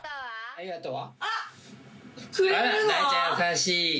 ありがとう。